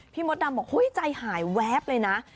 พี่มดดำบอกเว้ยใจหายแวบเลยนะ